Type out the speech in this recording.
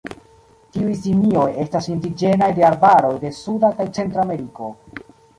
Tiuj simioj estas indiĝenaj de arbaroj de Suda kaj Centrameriko.